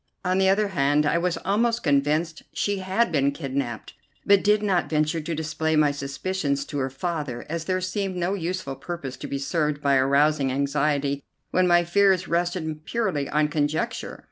On the other hand I was almost convinced she had been kidnapped, but did not venture to display my suspicions to her father, as there seemed no useful purpose to be served by arousing anxiety when my fears rested purely on conjecture.